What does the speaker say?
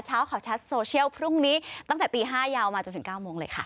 เช้าข่าวชัดโซเชียลพรุ่งนี้ตั้งแต่ตี๕ยาวมาจนถึง๙โมงเลยค่ะ